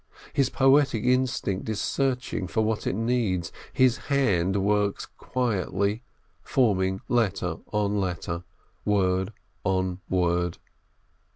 His poetic instinct is searching for what it needs. His hand works quietly, forming letter on letter, word on word.